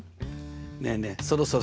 ねえねえそろそろ